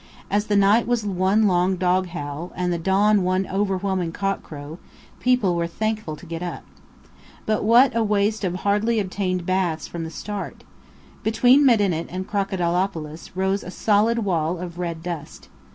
As the night was one long dog howl, and the dawn one overwhelming cockcrow, people were thankful to get up. But what a waste of hardly obtained baths before the start! Between Medinet and Crocodilopolis rose a solid wall of red dust.